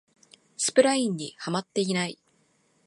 スプラインにハマってない